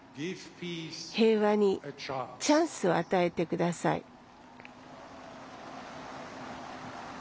平和にチャンスを与えてください。